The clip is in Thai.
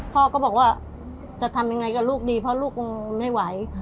พ่อก็บอกว่าจะทำยังไงกับลูกดีเพราะลูกคงไม่ไหว